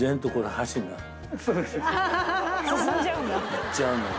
いっちゃうのよ。